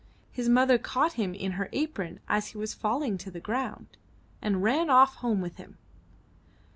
His mother caught him in her apron as he was falling to the ground, and ran off home with him.